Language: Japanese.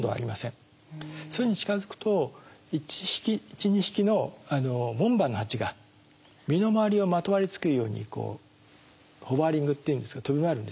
巣に近づくと１２匹の門番のハチが身の回りをまとわりつくようにこうホバリングっていうんですが飛び回るんですよ。